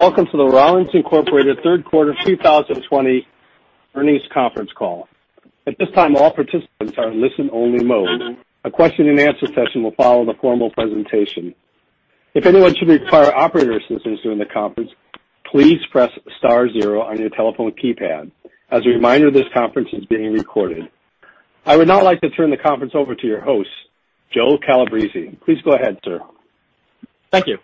Welcome to the Rollins Incorporated Third Quarter 2020 Earnings Conference Call. At this time, all participants are in listen-only mode. A question-and-answer session will follow the formal presentation. If anyone should require operator assistance during the conference, please press star zero on your telephone keypad. As a reminder, this conference is being recorded. I would now like to turn the conference over to your host, Joe Calabrese. Please go ahead, sir. Thank you.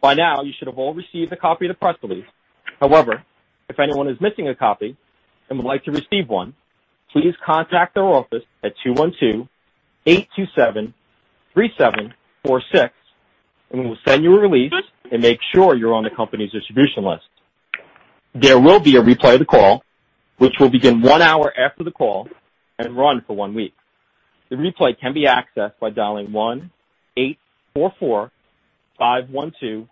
By now you should have all received a copy of the press release. However, if anyone is missing a copy and would like to receive one, please contact our office at 212-827-3746, and we'll send you a release and make sure you're on the company's distribution list. There will be a replay of the call, which will begin one hour after the call and run for one week. The replay can be accessed by dialing 1-844-512-2921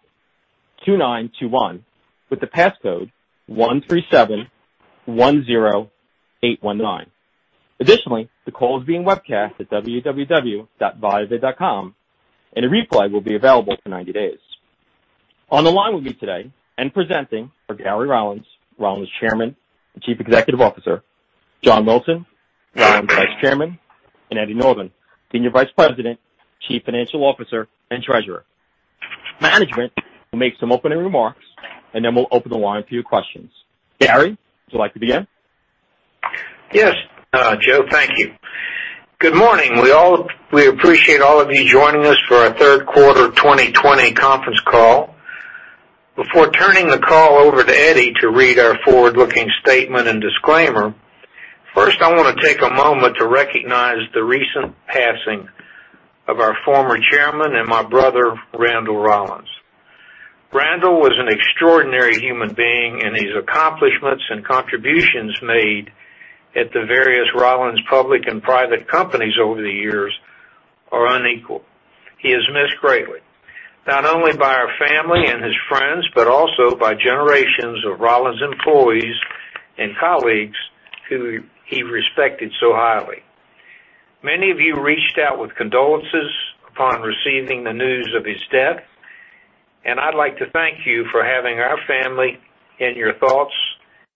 with the passcode 13710819. Additionally, the call is being webcast at www.viavid.com, and a replay will be available for 90 days. On the line with me today and presenting are Gary Rollins, Rollins Chairman and Chief Executive Officer, John Wilson, Rollins Vice Chairman, and Eddie Northen, Senior Vice President, Chief Financial Officer, and Treasurer. Management will make some opening remarks, and then we'll open the line for your questions. Gary, would you like to begin? Yes, Joe. Thank you. Good morning. We appreciate all of you joining us for our Third Quarter 2020 Conference Call. Before turning the call over to Eddie to read our forward-looking statement and disclaimer, first, I want to take a moment to recognize the recent passing of our former Chairman and my brother, Randall Rollins. Randall was an extraordinary human being, and his accomplishments and contributions made at the various Rollins public and private companies over the years are unequaled. He is missed greatly, not only by our family and his friends, but also by generations of Rollins employees and colleagues who he respected so highly. Many of you reached out with condolences upon receiving the news of his death, and I'd like to thank you for having our family in your thoughts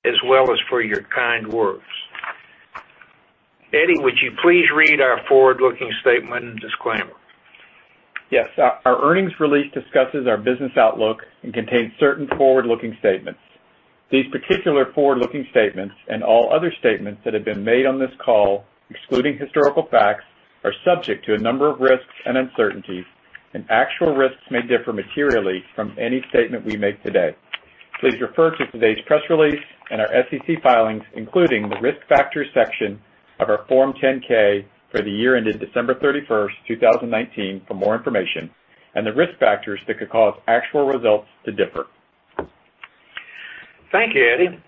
as well as for your kind words. Eddie, would you please read our forward-looking statement and disclaimer? Yes. Our earnings release discusses our business outlook and contains certain forward-looking statements. These particular forward-looking statements and all other statements that have been made on this call, excluding historical facts, are subject to a number of risks and uncertainties, and actual risks may differ materially from any statement we make today. Please refer to today's press release and our SEC filings, including the risk factors section of our Form 10-K for the year ended December 31st, 2019, for more information on the risk factors that could cause actual results to differ. Thank you, Eddie.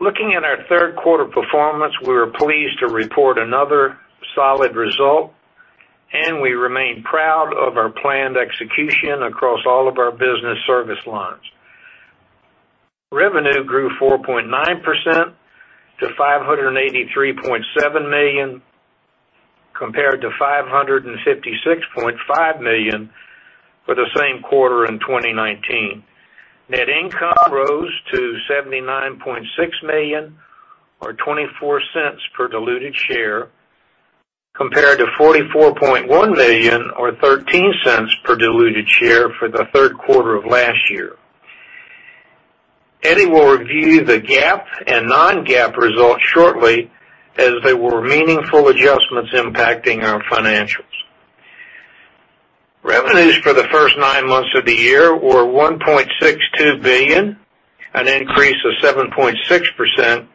Looking at our third quarter performance, we were pleased to report another solid result, and we remain proud of our planned execution across all of our business service lines. Revenue grew 4.9% to $583.7 million, compared to $556.5 million for the same quarter in 2019. Net income rose to $79.6 million or $0.24 per diluted share, compared to $44.1 million or $0.13 per diluted share for the third quarter of last year. Eddie will review the GAAP and non-GAAP results shortly, as there were meaningful adjustments impacting our financials. Revenues for the first nine months of the year were $1.62 billion, an increase of 7.6%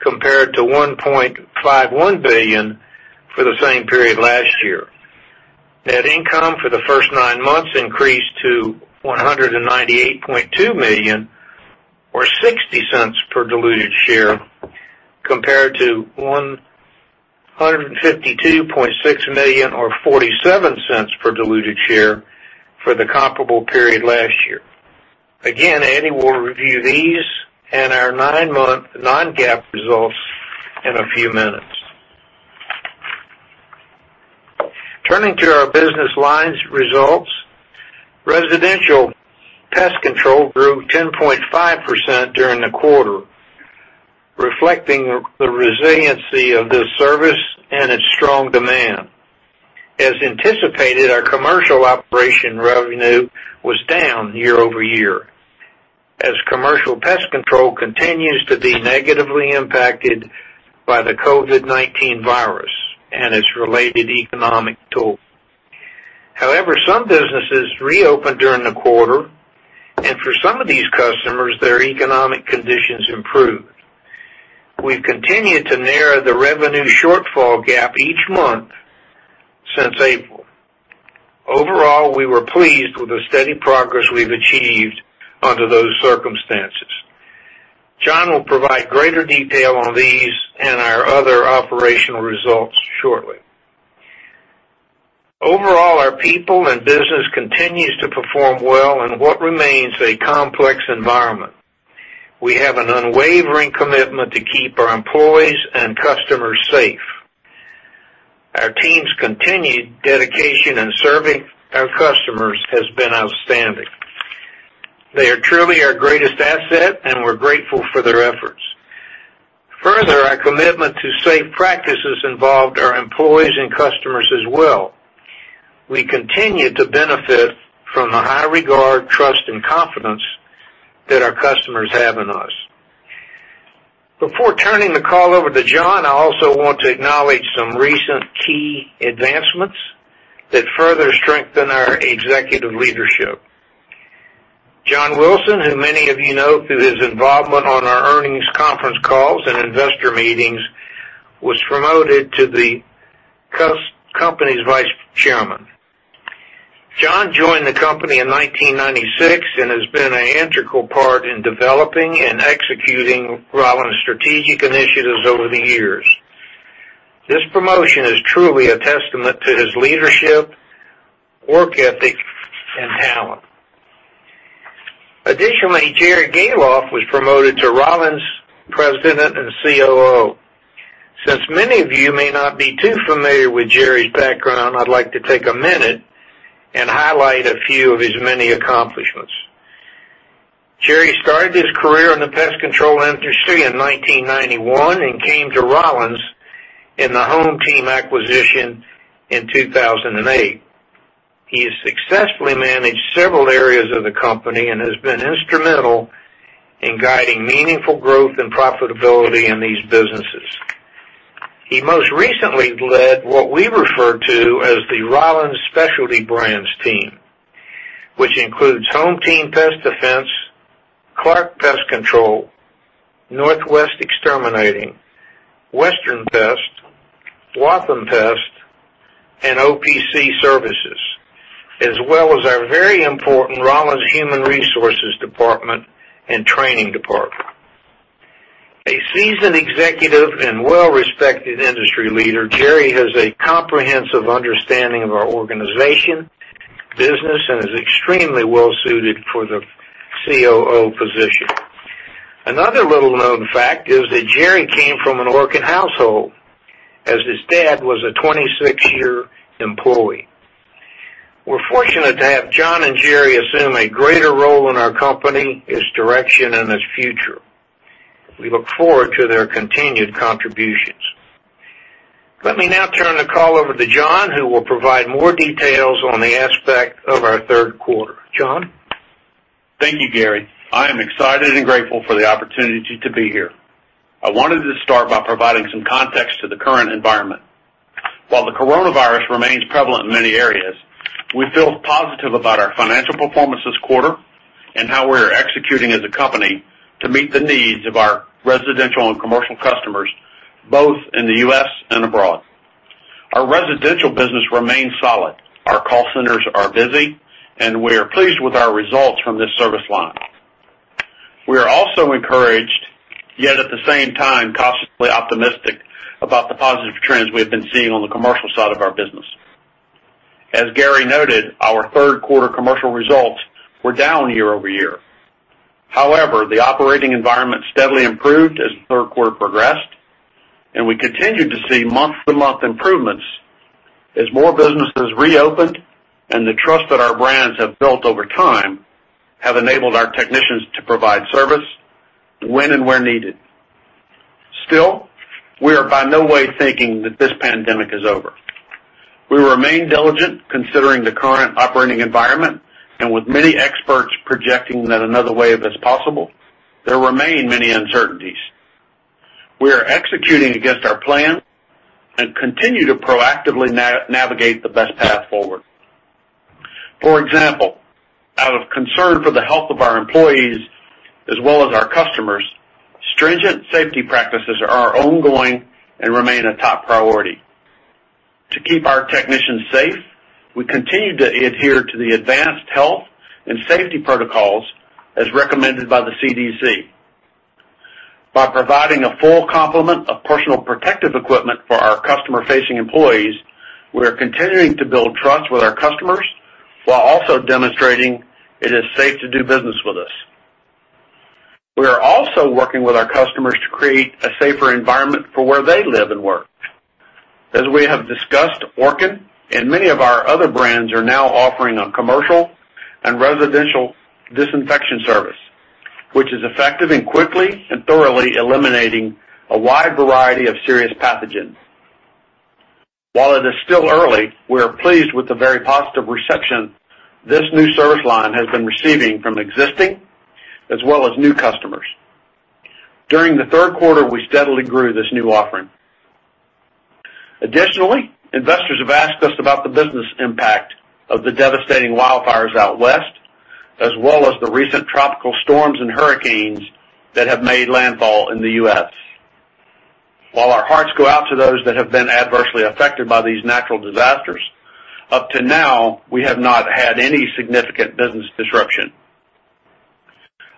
compared to $1.51 billion for the same period last year. Net income for the first nine months increased to $198.2 million or $0.60 per diluted share, compared to $152.6 million or $0.47 per diluted share for the comparable period last year. Again, Eddie will review these and our nine-month non-GAAP results in a few minutes. Turning to our business lines results, residential pest control grew 10.5% during the quarter, reflecting the resiliency of this service and its strong demand. As anticipated, our commercial operation revenue was down year-over-year, as commercial pest control continues to be negatively impacted by the COVID-19 and its related economic toll. However, some businesses reopened during the quarter, and for some of these customers, their economic conditions improved. We've continued to narrow the revenue shortfall gap each month since April. Overall, we were pleased with the steady progress we've achieved under those circumstances. John will provide greater detail on these and our other operational results shortly. Overall, our people and business continues to perform well in what remains a complex environment. We have an unwavering commitment to keep our employees and customers safe. Continued dedication in serving our customers has been outstanding. They are truly our greatest asset, and we're grateful for their efforts. Further, our commitment to safe practices involved our employees and customers as well. We continue to benefit from the high regard, trust, and confidence that our customers have in us. Before turning the call over to John, I also want to acknowledge some recent key advancements that further strengthen our executive leadership. John Wilson, who many of you know through his involvement on our earnings conference calls and investor meetings, was promoted to the company's Vice Chairman. John joined the company in 1996 and has been an integral part in developing and executing Rollins' strategic initiatives over the years. This promotion is truly a testament to his leadership, work ethic, and talent. Additionally, Jerry Gahlhoff was promoted to Rollins' President and COO. Since many of you may not be too familiar with Jerry's background, I'd like to take a minute and highlight a few of his many accomplishments. Jerry started his career in the pest control industry in 1991 and came to Rollins in the HomeTeam acquisition in 2008. He has successfully managed several areas of the company and has been instrumental in guiding meaningful growth and profitability in these businesses. He most recently led what we refer to as the Rollins Specialty Brands team, which includes HomeTeam Pest Defense, Clark Pest Control, Northwest Exterminating, Western Pest, Waltham Services, and OPC Services, as well as our very important Rollins human resources department and training department. A seasoned executive and well-respected industry leader, Jerry has a comprehensive understanding of our organization, business, and is extremely well-suited for the COO position. Another little-known fact is that Jerry came from an Orkin household, as his dad was a 26-year employee. We're fortunate to have John and Jerry assume a greater role in our company, its direction, and its future. We look forward to their continued contributions. Let me now turn the call over to John, who will provide more details on the aspect of our third quarter. John? Thank you, Gary. I am excited and grateful for the opportunity to be here. I wanted to start by providing some context to the current environment. While the coronavirus remains prevalent in many areas, we feel positive about our financial performance this quarter and how we are executing as a company to meet the needs of our residential and commercial customers, both in the U.S. and abroad. Our residential business remains solid. Our call centers are busy, and we are pleased with our results from this service line. We are also encouraged, yet at the same time cautiously optimistic, about the positive trends we have been seeing on the commercial side of our business. As Gary noted, our third quarter commercial results were down year-over-year. The operating environment steadily improved as the third quarter progressed. We continued to see month-to-month improvements as more businesses reopened and the trust that our brands have built over time have enabled our technicians to provide service when and where needed. We are by no way thinking that this pandemic is over. We remain diligent considering the current operating environment. With many experts projecting that another wave is possible, there remain many uncertainties. We are executing against our plan and continue to proactively navigate the best path forward. Out of concern for the health of our employees as well as our customers, stringent safety practices are ongoing and remain a top priority. To keep our technicians safe, we continue to adhere to the advanced health and safety protocols as recommended by the CDC. By providing a full complement of personal protective equipment for our customer-facing employees, we are continuing to build trust with our customers while also demonstrating it is safe to do business with us. We are also working with our customers to create a safer environment for where they live and work. As we have discussed, Orkin and many of our other brands are now offering a commercial and residential disinfection service, which is effective in quickly and thoroughly eliminating a wide variety of serious pathogens. While it is still early, we are pleased with the very positive reception this new service line has been receiving from existing as well as new customers. During the third quarter, we steadily grew this new offering. Additionally, investors have asked us about the business impact of the devastating wildfires out West, as well as the recent tropical storms and hurricanes that have made landfall in the U.S. While our hearts go out to those that have been adversely affected by these natural disasters, up to now, we have not had any significant business disruption.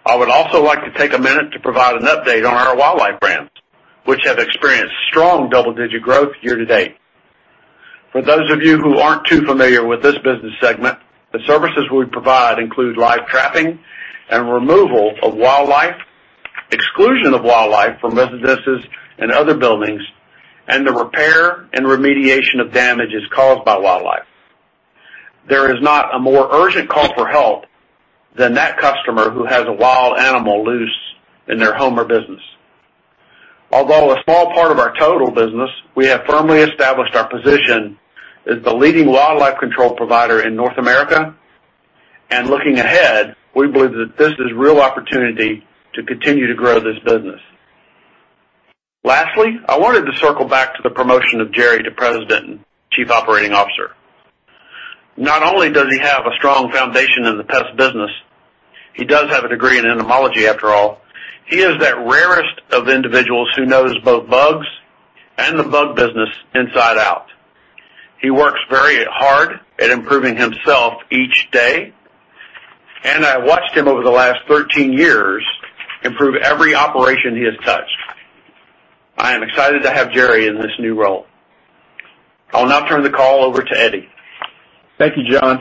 I would also like to take a minute to provide an update on our wildlife brands, which have experienced strong double-digit growth year-to-date. For those of you who aren't too familiar with this business segment, the services we provide include live trapping and removal of wildlife exclusion of wildlife from residences and other buildings, and the repair and remediation of damages caused by wildlife. There is not a more urgent call for help than that customer who has a wild animal loose in their home or business. Although a small part of our total business, we have firmly established our position as the leading wildlife control provider in North America. Looking ahead, we believe that this is a real opportunity to continue to grow this business. I wanted to circle back to the promotion of Jerry to President and Chief Operating Officer. Not only does he have a strong foundation in the pest business, he does have a degree in entomology after all. He is that rarest of individuals who knows both bugs and the bug business inside out. He works very hard at improving himself each day, and I watched him over the last 13 years improve every operation he has touched. I am excited to have Jerry in this new role. I'll now turn the call over to Eddie. Thank you, John.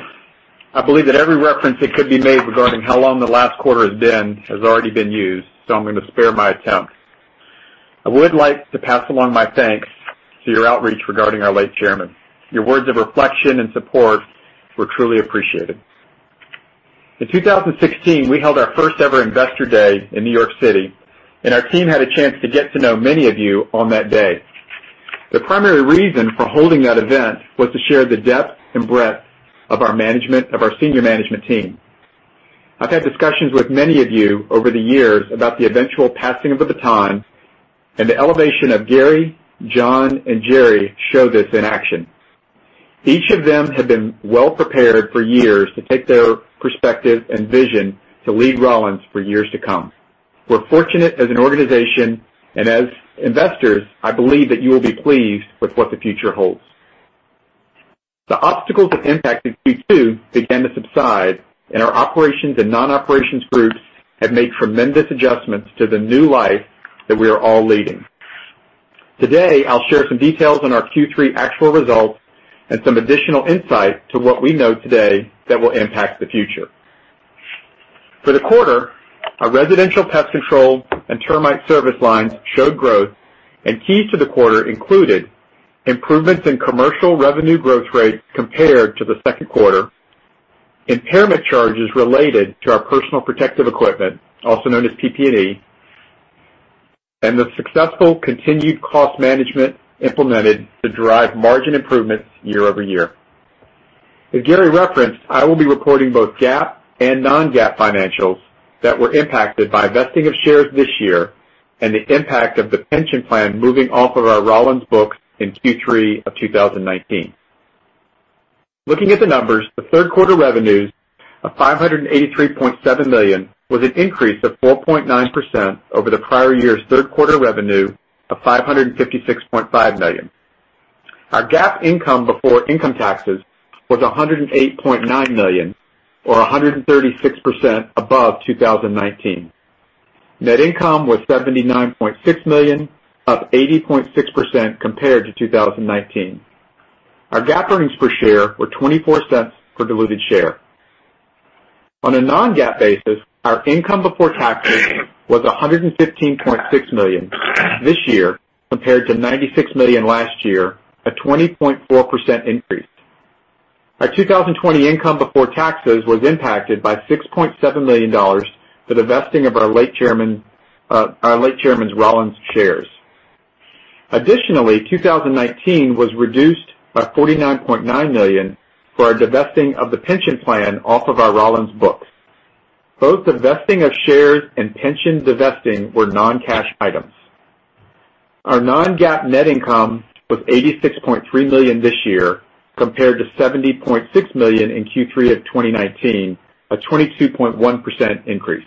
I believe that every reference that could be made regarding how long the last quarter has been has already been used, so I'm going to spare my attempt. I would like to pass along my thanks to your outreach regarding our late Chairman. Your words of reflection and support were truly appreciated. In 2016, we held our first-ever Investor Day in New York City. Our team had a chance to get to know many of you on that day. The primary reason for holding that event was to share the depth and breadth of our senior management team. I've had discussions with many of you over the years about the eventual passing of the baton and the elevation of Gary, John, and Jerry show this in action. Each of them have been well prepared for years to take their perspective and vision to lead Rollins for years to come. We're fortunate as an organization, and as investors, I believe that you will be pleased with what the future holds. The obstacles that impacted Q2 began to subside, and our operations and non-operations groups have made tremendous adjustments to the new life that we are all leading. Today, I'll share some details on our Q3 actual results and some additional insight to what we know today that will impact the future. For the quarter, our residential pest control and termite service lines showed growth, and keys to the quarter included improvements in commercial revenue growth rates compared to the second quarter, impairment charges related to our personal protective equipment, also known as PPE, and the successful continued cost management implemented to drive margin improvements year-over-year. As Gary referenced, I will be reporting both GAAP and non-GAAP financials that were impacted by vesting of shares this year and the impact of the pension plan moving off of our Rollins books in Q3 of 2019. Looking at the numbers, the third quarter revenues of $583.7 million was an increase of 4.9% over the prior year's third quarter revenue of $556.5 million. Our GAAP income before income taxes was $108.9 million or 136% above 2019. Net income was $79.6 million, up 80.6% compared to 2019. Our GAAP earnings per share were $0.24 per diluted share. On a non-GAAP basis, our income before taxes was $115.6 million this year, compared to $96 million last year, a 20.4% increase. Our 2020 income before taxes was impacted by $6.7 million for the vesting of our late Chairman's Rollins shares. Additionally, 2019 was reduced by $49.9 million for our divesting of the pension plan off of our Rollins books. Both the vesting of shares and pension divesting were non-cash items. Our non-GAAP net income was $86.3 million this year, compared to $70.6 million in Q3 2019, a 22.1% increase.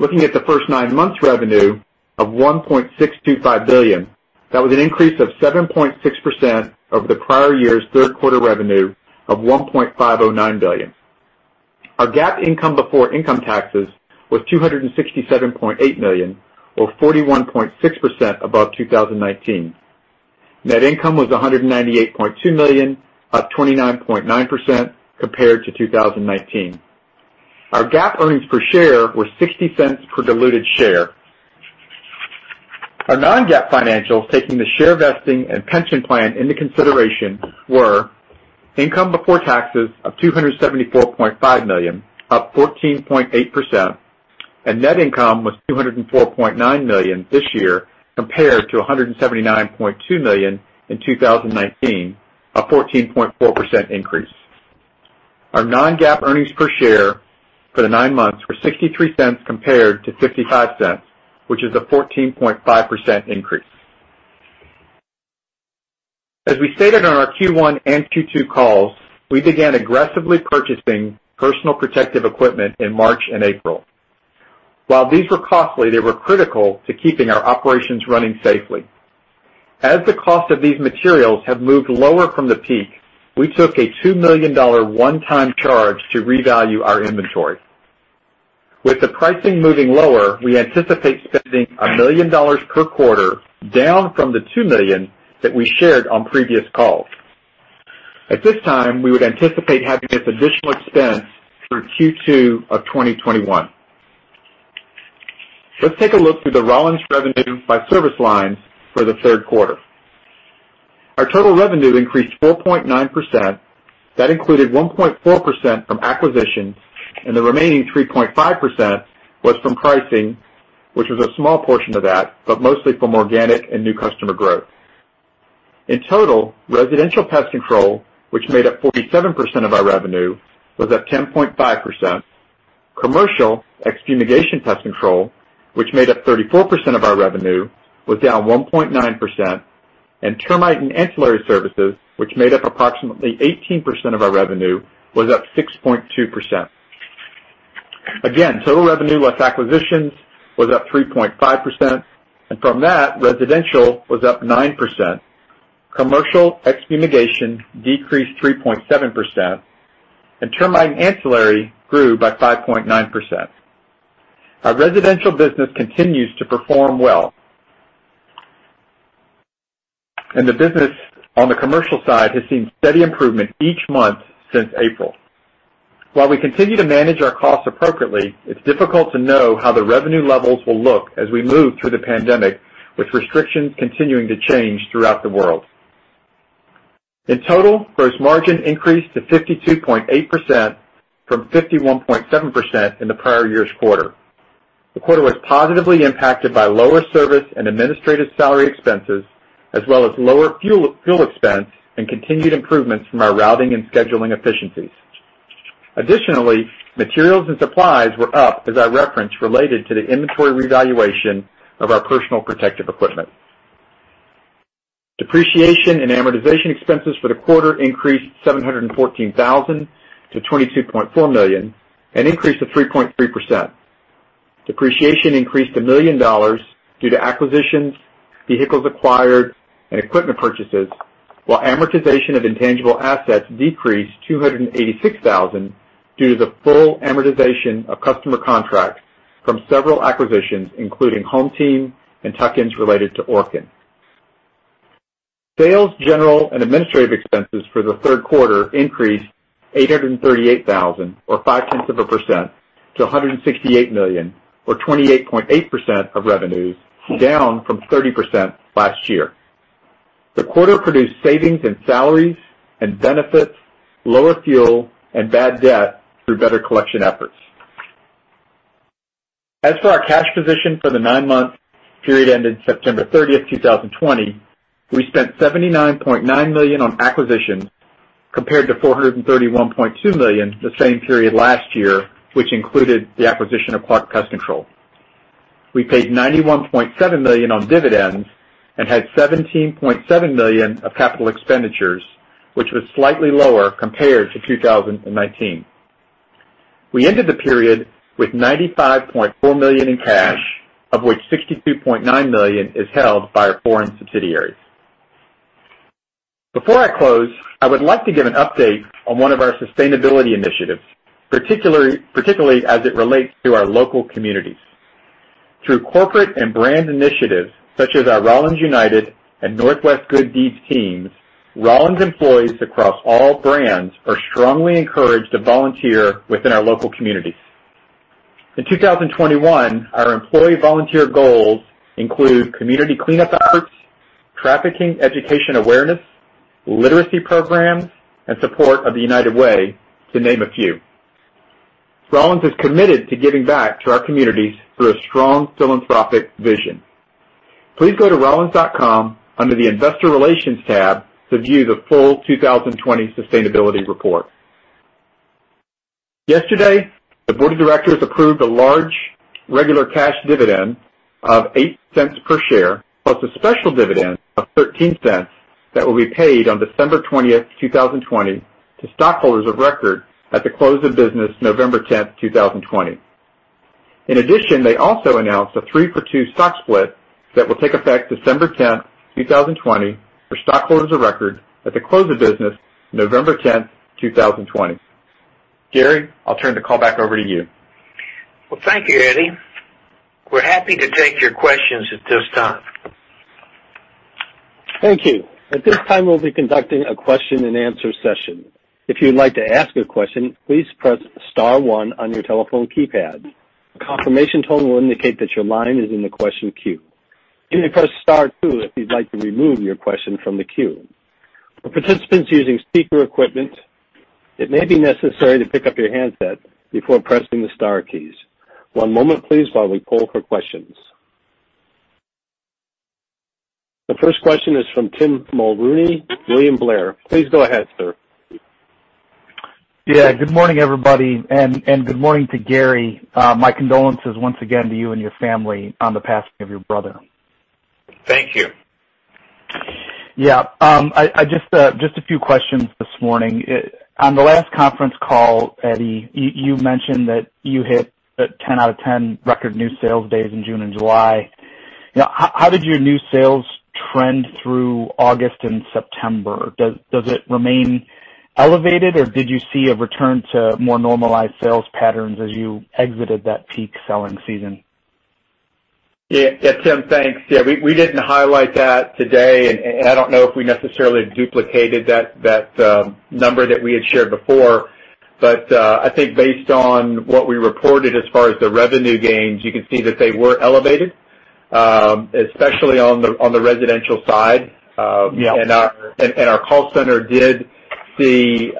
Looking at the first nine months revenue of $1.625 billion, that was an increase of 7.6% over the prior year's third quarter revenue of $1.509 billion. Our GAAP income before income taxes was $267.8 million or 41.6% above 2019. Net income was $198.2 million, up 29.9% compared to 2019. Our GAAP earnings per share were $0.60 per diluted share. Our non-GAAP financials, taking the share vesting and pension plan into consideration, were income before taxes of $274.5 million, up 14.8%, and net income was $204.9 million this year compared to $179.2 million in 2019, a 14.4% increase. Our non-GAAP earnings per share for the nine months were $0.63 compared to $0.55, which is a 14.5% increase. As we stated on our Q1 and Q2 calls, we began aggressively purchasing personal protective equipment in March and April. While these were costly, they were critical to keeping our operations running safely. As the cost of these materials have moved lower from the peak, we took a $2 million one-time charge to revalue our inventory. With the pricing moving lower, we anticipate spending $1 million per quarter, down from the $2 million that we shared on previous calls. At this time, we would anticipate having this additional expense through Q2 of 2021. Let's take a look through the Rollins revenue by service lines for the third quarter. Our total revenue increased 4.9%. That included 1.4% from acquisitions, and the remaining 3.5% was from pricing, which was a small portion of that, but mostly from organic and new customer growth. In total, residential pest control, which made up 47% of our revenue, was up 10.5%. Commercial extermination pest control, which made up 34% of our revenue, was down 1.9%. Termite and ancillary services, which made up approximately 18% of our revenue, was up 6.2%. Again, total revenue less acquisitions was up 3.5%, and from that, residential was up 9%. Commercial extermination decreased 3.7%, and termite and ancillary grew by 5.9%. Our residential business continues to perform well. The business on the commercial side has seen steady improvement each month since April. While we continue to manage our costs appropriately, it's difficult to know how the revenue levels will look as we move through the pandemic, with restrictions continuing to change throughout the world. In total, gross margin increased to 52.8% from 51.7% in the prior year's quarter. The quarter was positively impacted by lower service and administrative salary expenses, as well as lower fuel expense and continued improvements from our routing and scheduling efficiencies. Additionally, materials and supplies were up, as I referenced, related to the inventory revaluation of our personal protective equipment. Depreciation and amortization expenses for the quarter increased $714,000-$22.4 million, an increase of 3.3%. Depreciation increased $1 million due to acquisitions, vehicles acquired, and equipment purchases, while amortization of intangible assets decreased $286,000 due to the full amortization of customer contracts from several acquisitions, including HomeTeam and tuck-ins related to Orkin. Sales, general, and administrative expenses for the third quarter increased $838,000 or 0.5% to $168 million, or 28.8% of revenues, down from 30% last year. The quarter produced savings in salaries and benefits, lower fuel, and bad debt through better collection efforts. As for our cash position for the nine-month period ended September 30th, 2020, we spent $79.9 million on acquisitions compared to $431.2 million the same period last year, which included the acquisition of Clark Pest Control. We paid $91.7 million on dividends and had $17.7 million of capital expenditures, which was slightly lower compared to 2019. We ended the period with $95.4 million in cash, of which $62.9 million is held by our foreign subsidiaries. Before I close, I would like to give an update on one of our sustainability initiatives, particularly as it relates to our local communities. Through corporate and brand initiatives such as our Rollins United and Northwest Good Deeds teams, Rollins employees across all brands are strongly encouraged to volunteer within our local communities. In 2021, our employee volunteer goals include community cleanup efforts, trafficking education awareness, literacy programs, and support of the United Way, to name a few. Rollins is committed to giving back to our communities through a strong philanthropic vision. Please go to rollins.com under the Investor Relations tab to view the full 2020 sustainability report. Yesterday, the board of directors approved a large regular cash dividend of $0.08 per share, plus a special dividend of $0.13 that will be paid on December 20th, 2020, to stockholders of record at the close of business November 10th, 2020. In addition, they also announced a three-for-two stock split that will take effect December 10th, 2020, for stockholders of record at the close of business November 10th, 2020. Gary, I'll turn the call back over to you. Well, thank you, Eddie. We're happy to take your questions at this time. Thank you. At this time, we'll be conducting a question and answer session. If you'd like to ask a question, please press star one on your telephone keypad. A confirmation tone will indicate that your line is in the question queue. You may press star two if you'd like to remove your question from the queue. For participants using speaker equipment, it may be necessary to pick up your handset before pressing the star keys. One moment, please, while we poll for questions. The first question is from Tim Mulrooney, William Blair. Please go ahead, sir. Yeah. Good morning, everybody, and good morning to Gary. My condolences once again to you and your family on the passing of your brother. Thank you. Just a few questions this morning. On the last conference call, Eddie, you mentioned that you hit a 10 out of 10 record new sales days in June and July. How did your new sales trend through August and September? Does it remain elevated, or did you see a return to more normalized sales patterns as you exited that peak selling season? Tim, thanks. We didn't highlight that today, and I don't know if we necessarily duplicated that number that we had shared before. I think based on what we reported as far as the revenue gains, you can see that they were elevated, especially on the residential side. Yeah. Our call center did see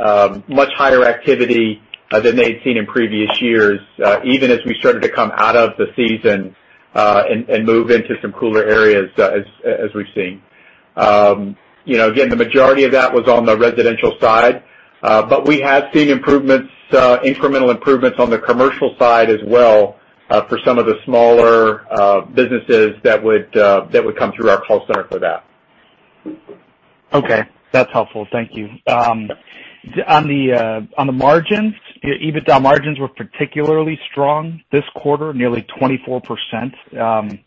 much higher activity than they had seen in previous years, even as we started to come out of the season, and move into some cooler areas as we've seen. Again, the majority of that was on the residential side. We have seen incremental improvements on the commercial side as well for some of the smaller businesses that would come through our call center for that. Okay, that's helpful. Thank you. On the margins, your EBITDA margins were particularly strong this quarter, nearly 24%.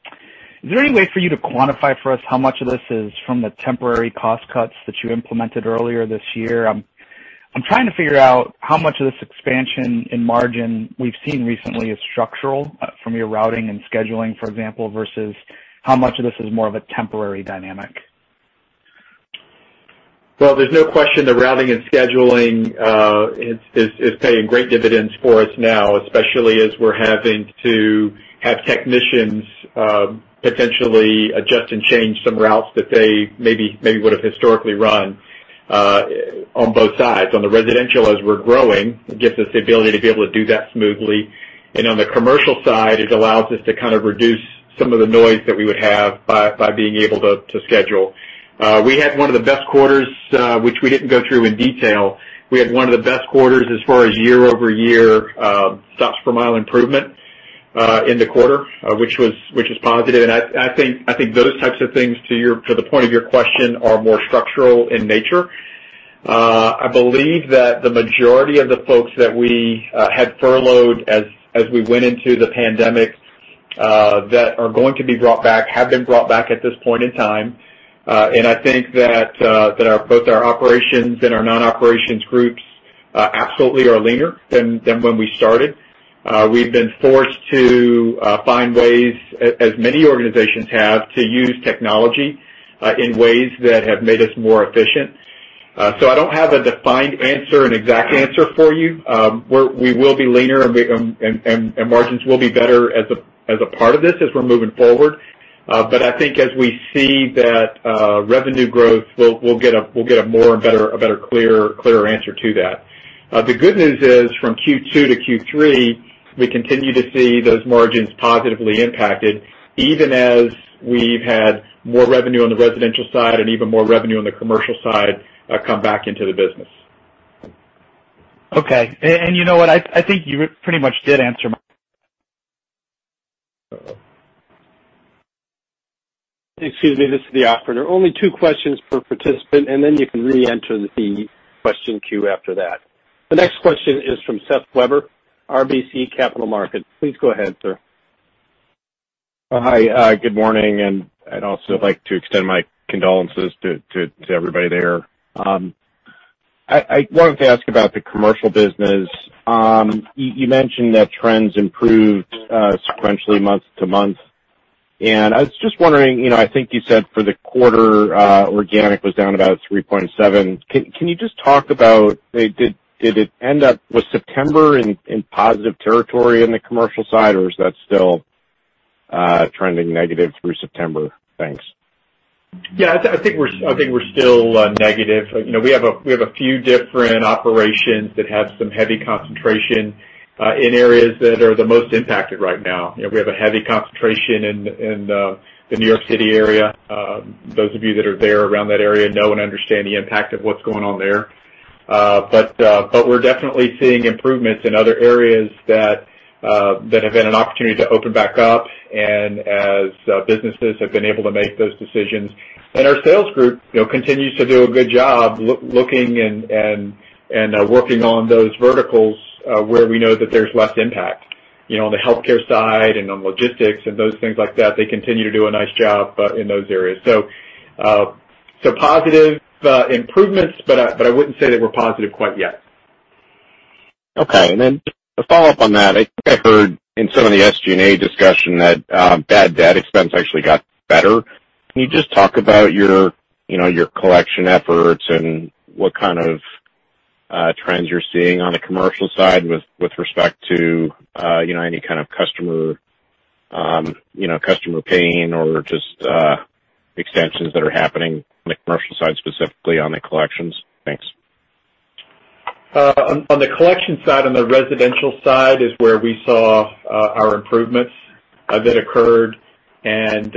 Is there any way for you to quantify for us how much of this is from the temporary cost cuts that you implemented earlier this year? I'm trying to figure out how much of this expansion in margin we've seen recently is structural from your routing and scheduling, for example, versus how much of this is more of a temporary dynamic. Well, there is no question that routing and scheduling is paying great dividends for us now, especially as we are having to have technicians potentially adjust and change some routes that they maybe would have historically run, on both sides. On the residential, as we are growing, it gives us the ability to be able to do that smoothly. On the commercial side, it allows us to kind of reduce some of the noise that we would have by being able to schedule. We had one of the best quarters, which we did not go through in detail. We had one of the best quarters as far as year-over-year stops per mile improvement, in the quarter, which is positive. I think those types of things, to the point of your question, are more structural in nature. I believe that the majority of the folks that we had furloughed as we went into the pandemic, that are going to be brought back, have been brought back at this point in time. I think that both our operations and our non-operations groups absolutely are leaner than when we started. We've been forced to find ways, as many organizations have, to use technology in ways that have made us more efficient. I don't have a defined answer, an exact answer for you. We will be leaner and margins will be better as a part of this as we're moving forward. I think as we see that revenue growth, we'll get a more and better, clearer answer to that. The good news is, from Q2 to Q3, we continue to see those margins positively impacted, even as we've had more revenue on the residential side and even more revenue on the commercial side come back into the business. Okay. You know what? I think you pretty much did answer. Excuse me. This is the operator. Only two questions per participant, and then you can reenter the question queue after that. The next question is from Seth Weber, RBC Capital Markets. Please go ahead, sir. Hi. Good morning, and I'd also like to extend my condolences to everybody there. I wanted to ask about the commercial business. You mentioned that trends improved sequentially month-to-month, and I was just wondering, I think you said for the quarter, organic was down about 3.7%. Can you just talk about, did it end up with September in positive territory in the commercial side, or is that still trending negative through September? Thanks. I think we're still negative. We have a few different operations that have some heavy concentration in areas that are the most impacted right now. We have a heavy concentration in the New York City area. Those of you that are there around that area know and understand the impact of what's going on there. We're definitely seeing improvements in other areas that have had an opportunity to open back up and as businesses have been able to make those decisions. Our sales group continues to do a good job looking and working on those verticals, where we know that there's less impact. On the healthcare side and on logistics and those things like that, they continue to do a nice job in those areas. Positive improvements, but I wouldn't say that we're positive quite yet. Okay. To follow up on that, I think I heard in some of the SG&A discussion that bad debt expense actually got better. Can you just talk about your collection efforts and what kind of trends you're seeing on the commercial side with respect to any kind of customer paying or just, extensions that are happening on the commercial side, specifically on the collections? Thanks. On the collection side, on the residential side is where we saw our improvements that occurred, and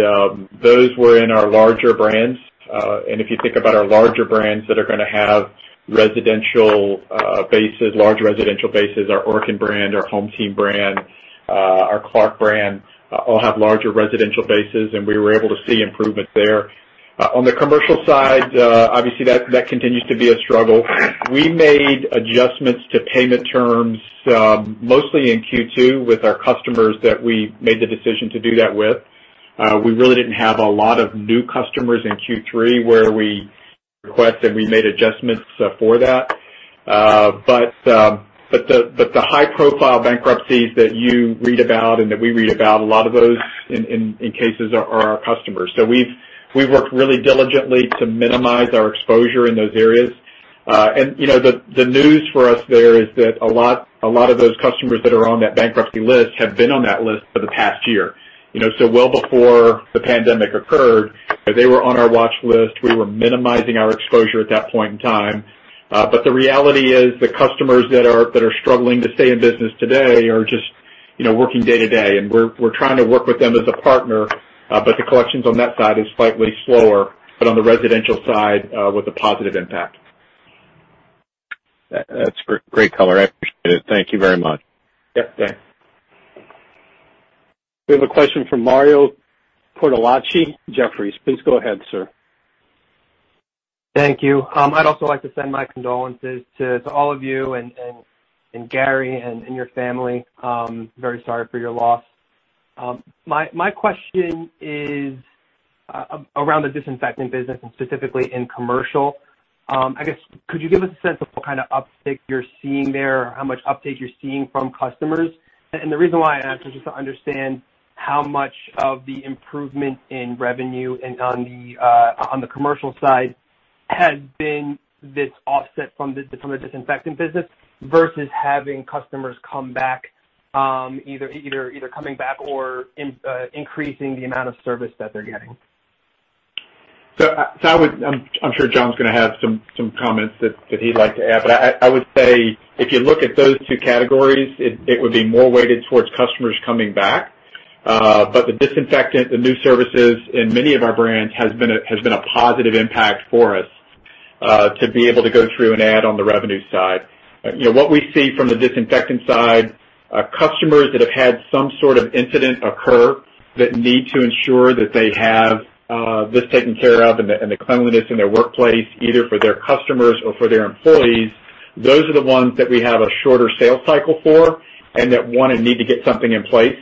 those were in our larger brands. If you think about our larger brands that are going to have residential bases, large residential bases, our Orkin brand, our HomeTeam brand, our Clark brand, all have larger residential bases, and we were able to see improvements there. On the commercial side, obviously that continues to be a struggle. We made adjustments to payment terms, mostly in Q2 with our customers that we made the decision to do that with. We really didn't have a lot of new customers in Q3 where we made adjustments for that. The high-profile bankruptcies that you read about and that we read about, a lot of those, in cases, are our customers. We've worked really diligently to minimize our exposure in those areas. The news for us there is that a lot of those customers that are on that bankruptcy list have been on that list for the past year. Well before the pandemic occurred, they were on our watch list. We were minimizing our exposure at that point in time. The reality is, the customers that are struggling to stay in business today are just working day-to-day, and we're trying to work with them as a partner. The collections on that side is slightly slower. On the residential side, with a positive impact. That's great color. I appreciate it. Thank you very much. Yep. Thanks. We have a question from Mario Cortellacci, Jefferies. Please go ahead, sir. Thank you. I'd also like to send my condolences to all of you, and Gary, and your family. Very sorry for your loss. My question is around the disinfecting business and specifically in commercial. I guess, could you give us a sense of what kind of uptick you're seeing there, or how much uptick you're seeing from customers? The reason why I ask is just to understand how much of the improvement in revenue and on the commercial side has been this offset from the disinfectant business versus having customers come back, either coming back or increasing the amount of service that they're getting. I'm sure John's going to have some comments that he'd like to add. I would say if you look at those two categories, it would be more weighted towards customers coming back. The disinfectant, the new services in many of our brands has been a positive impact for us, to be able to go through and add on the revenue side. What we see from the disinfectant side, are customers that have had some sort of incident occur that need to ensure that they have this taken care of and the cleanliness in their workplace, either for their customers or for their employees. Those are the ones that we have a shorter sales cycle for and that, one, need to get something in place.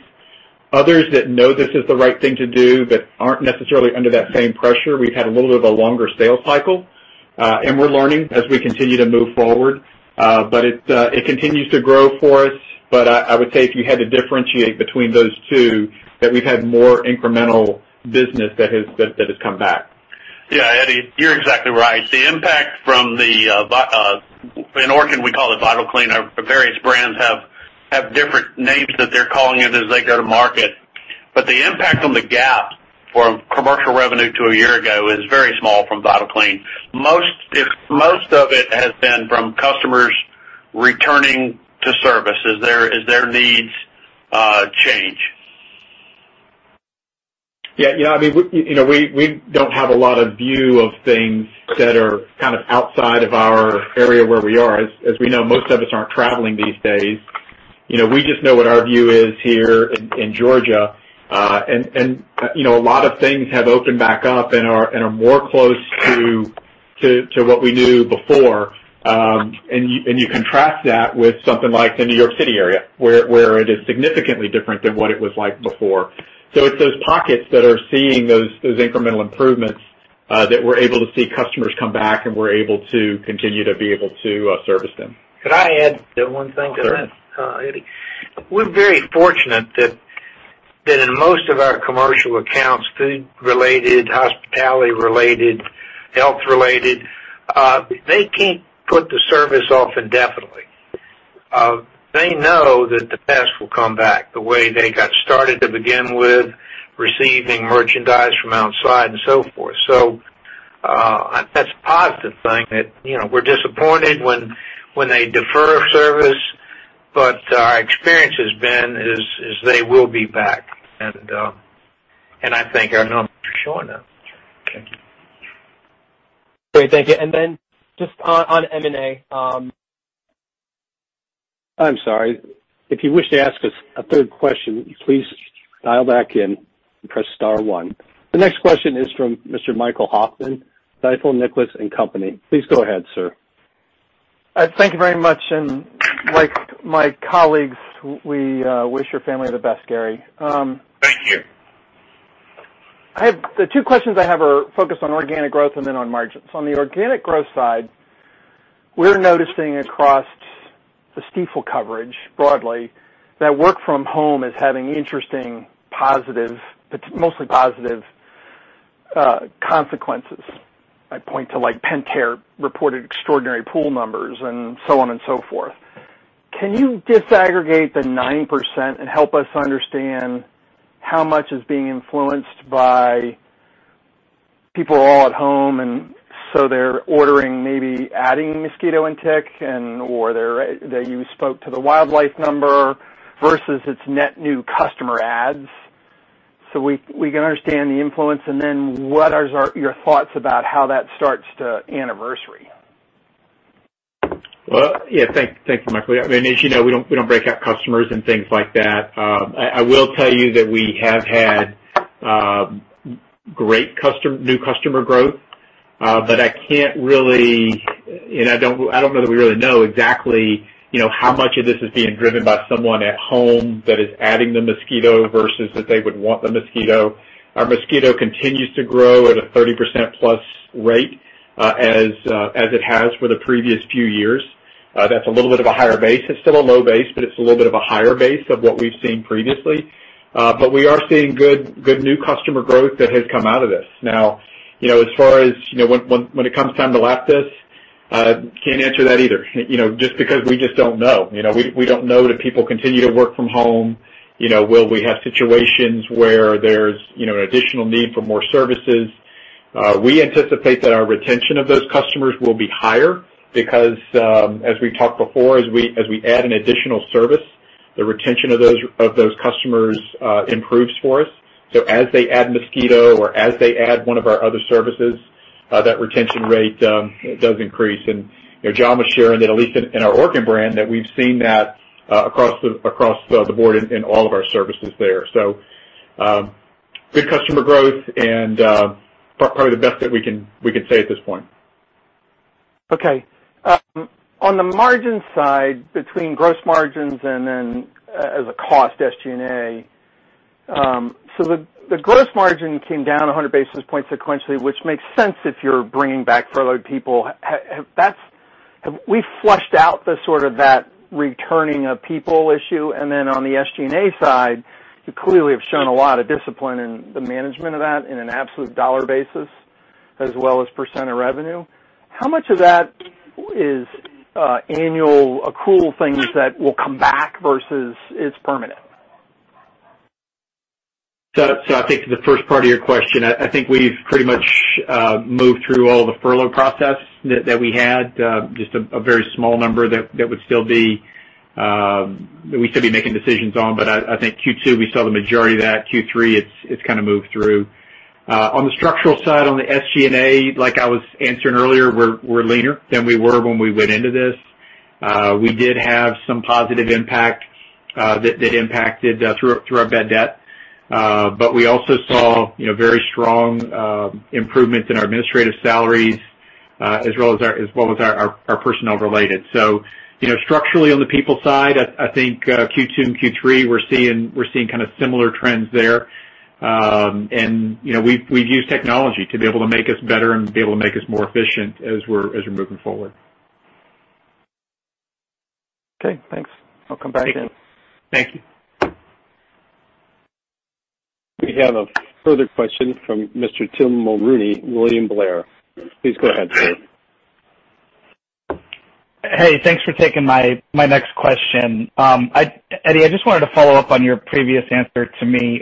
Others that know this is the right thing to do, but aren't necessarily under that same pressure, we've had a little bit of a longer sales cycle. We're learning as we continue to move forward. It continues to grow for us. I would say if you had to differentiate between those two, that we've had more incremental business that has come back. Yeah, Eddie, you're exactly right. The impact from the In Orkin, we call it VitalClean, our various brands have different names that they're calling it as they go to market. The impact on the GAAP from commercial revenue to a year ago is very small from VitalClean. Most of it has been from customers returning to service as their needs change. Yeah. We don't have a lot of view of things that are kind of outside of our area where we are. As we know, most of us aren't traveling these days. We just know what our view is here in Georgia. A lot of things have opened back up and are more close to what we knew before. You contrast that with something like the New York City area, where it is significantly different than what it was like before. It's those pockets that are seeing those incremental improvements, that we're able to see customers come back, and we're able to continue to be able to service them. Could I add one thing to that? Oh, sure. Eddie? We're very fortunate that in most of our commercial accounts, food-related, hospitality-related, health-related, they can't put the service off indefinitely. They know that the pest will come back the way they got started to begin with, receiving merchandise from outside and so forth. That's a positive thing that we're disappointed when they defer service. Our experience has been is they will be back. I thank our for showing up. Thank you. Great, thank you. Just on M&A. I'm sorry, if you wish to ask a third question, please dial back in and press star one. The next question is from Mr. Michael Hoffman, Stifel Nicolaus & Company. Please go ahead, sir. Thank you very much. Like my colleagues, we wish your family the best, Gary. Thank you. The two questions I have are focused on organic growth and then on margins. On the organic growth side, we're noticing across the Stifel coverage broadly that work from home is having interesting positive, mostly positive, consequences. I point to like Pentair reported extraordinary pool numbers and so on and so forth. Can you disaggregate the 9% and help us understand how much is being influenced by people are all at home, and so they're ordering maybe adding mosquito and tick, or that you spoke to the wildlife number versus its net new customer adds, so we can understand the influence? What is your thoughts about how that starts to anniversary? Well, yeah, thanks for Michael. As you know, we don't break out customers and things like that. I will tell you that we have had great new customer growth, but I can't really, and I don't know that we really know exactly how much of this is being driven by someone at home that is adding the mosquito versus that they would want the mosquito. Our mosquito continues to grow at a 30%+ rate, as it has for the previous few years. That's a little bit of a higher base. It's still a low base, but it's a little bit of a higher base of what we've seen previously. We are seeing good new customer growth that has come out of this. Now, as far as when it comes time to lap this, can't answer that either. Just because we just don't know. We don't know that people continue to work from home. Will we have situations where there's an additional need for more services? We anticipate that our retention of those customers will be higher because, as we've talked before, as we add an additional service, the retention of those customers improves for us. As they add mosquito or as they add one of our other services, that retention rate does increase. John was sharing that at least in our Orkin brand, that we've seen that across the board in all of our services there. Good customer growth, and probably the best that we can say at this point. Okay. On the margin side, between gross margins and then as a cost, SG&A. The gross margin came down 100 basis points sequentially, which makes sense if you're bringing back furloughed people. Have we flushed out the sort of that returning of people issue? On the SG&A side, you clearly have shown a lot of discipline in the management of that in an absolute dollar basis, as well as percent of revenue. How much of that is annual accrual things that will come back versus is permanent? I think to the first part of your question, I think we've pretty much moved through all the furlough process that we had. Just a very small number that we still be making decisions on. I think Q2, we saw the majority of that. Q3, it's kind of moved through. On the structural side, on the SG&A, like I was answering earlier, we're leaner than we were when we went into this. We did have some positive impact that impacted through our bad debt. We also saw very strong improvements in our administrative salaries, as well as our personnel-related. Structurally on the people side, I think Q2 and Q3, we're seeing kind of similar trends there. We've used technology to be able to make us better and be able to make us more efficient as we're moving forward. Okay, thanks. I'll come back again. Thank you. We have a further question from Mr. Tim Mulrooney, William Blair. Please go ahead, sir. Hey, thanks for taking my next question. Eddie, I just wanted to follow up on your previous answer to me,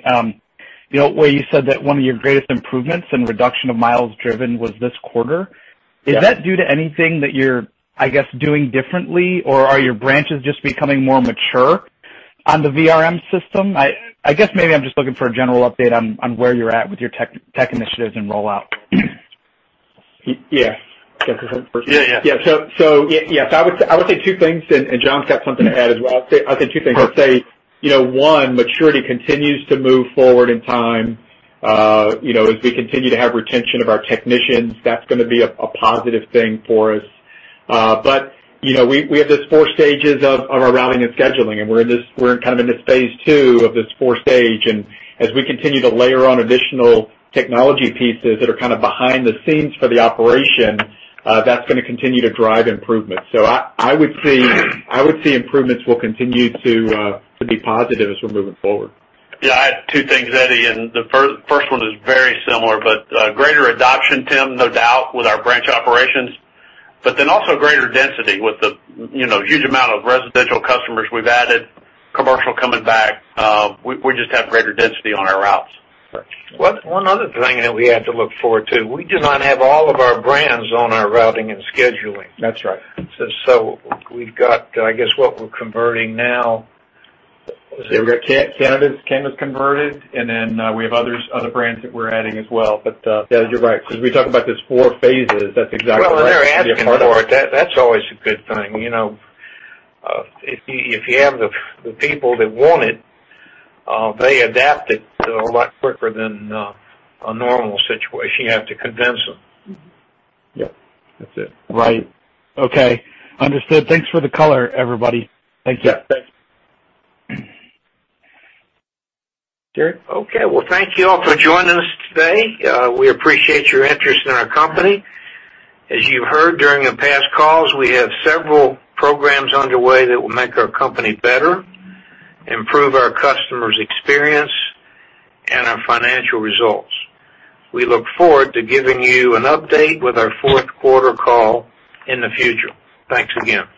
where you said that one of your greatest improvements in reduction of miles driven was this quarter. Yes. Is that due to anything that you're, I guess, doing differently, or are your branches just becoming more mature on the VRM system? I guess maybe I'm just looking for a general update on where you're at with your tech initiatives and rollout. Yeah. I would say two things, and John's got something to add as well. I'll say two things. Perfect. I'll say, one, maturity continues to move forward in time. As we continue to have retention of our technicians, that's gonna be a positive thing for us. We have this four stages of our routing and scheduling, and we're kind of in this phase 2 of this four-stage. As we continue to layer on additional technology pieces that are kind of behind the scenes for the operation, that's gonna continue to drive improvements. I would say improvements will continue to be positive as we're moving forward. Yeah, I have two things, Eddie, and the first one is very similar, but greater adoption, Tim, no doubt with our branch operations, but then also greater density with the huge amount of residential customers we've added, commercial coming back. We just have greater density on our routes. Right. One other thing that we have to look forward to, we do not have all of our brands on our routing and scheduling. That's right. We've got, I guess, what we're converting now. Yeah, we've got [canvass] converted, and then we have other brands that we're adding as well. Yeah, you're right, because we talk about this four phases. That's exactly right. They're asking for it. That's always a good thing. If you have the people that want it, they adapt it a lot quicker than a normal situation. You have to convince them. Yep. That's it. Right. Okay. Understood. Thanks for the color, everybody. Thank you. Yeah, thanks. Eddie? Okay. Well, thank you all for joining us today. We appreciate your interest in our company. As you heard during the past calls, we have several programs underway that will make our company better, improve our customers' experience, and our financial results. We look forward to giving you an update with our fourth quarter call in the future. Thanks again.